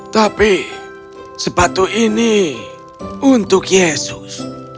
tapi sepatu ini untuk yesus